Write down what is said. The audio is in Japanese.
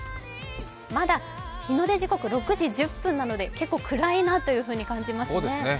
まだ日の出時刻、６時１０分なので結構くらいなというふうに感じますね。